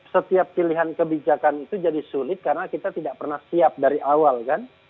setiap pilihan kebijakan itu jadi sulit karena kita tidak pernah siap dari awal kan